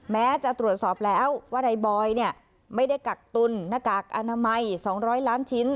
แม้จะตรวจสอบแล้วว่าในบอยไม่ได้กักตุนหน้ากากอนามัย๒๐๐ล้านชิ้น